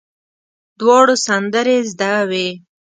دواړو سندرې زده وې.